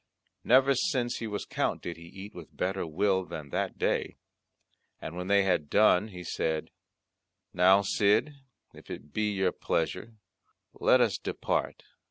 Never since he was Count did he eat with better will than that day! And when they had done he said, "Now, Cid, if it be your pleasure let us depart."